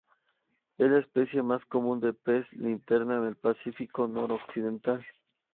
Es la especie más común de pez linterna en el Pacífico noroccidental.